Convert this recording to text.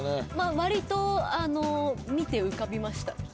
わりと見て浮かびました。